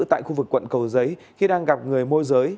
tại khu vực quận cầu giấy khi đang gặp người môi giới